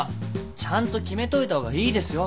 ちゃんと決めといた方がいいですよ